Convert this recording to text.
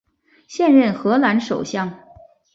现任荷兰首相。